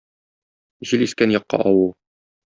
Җил искән якка аву.